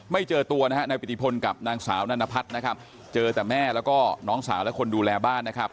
เจอตัวนะฮะนายปิติพลกับนางสาวนานพัฒน์นะครับเจอแต่แม่แล้วก็น้องสาวและคนดูแลบ้านนะครับ